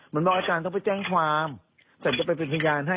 บอกอาจารย์ต้องไปแจ้งความฉันจะไปเป็นพยานให้